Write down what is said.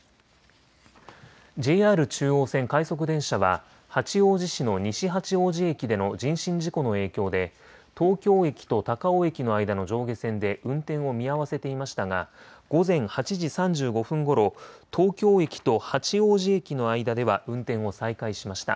ＪＲ中央線快速電車は八王子市の西八王子駅での人身事故の影響で東京駅と高尾駅の間の上下線で運転を見合わせていましたが午前８時３５分ごろ、東京駅と八王子駅の間では運転を再開しました。